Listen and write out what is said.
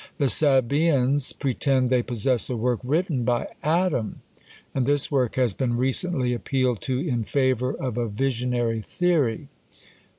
The Sabeans pretend they possess a work written by Adam! and this work has been recently appealed to in favour of a visionary theory!